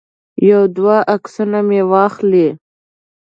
یو دوه عکسونه مې واخلي.